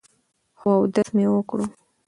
خو اودس مې وکړو ـ